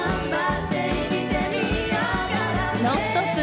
「ノンストップ！」